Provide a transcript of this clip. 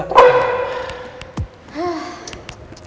dan gue bekerja sama siapa